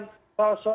tentu itu tidak kosong